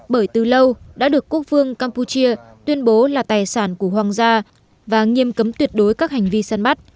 bởi từ lâu đã được quốc vương campuchia tuyên bố là tài sản của hoàng gia và nghiêm cấm tuyệt đối các hành vi săn bắt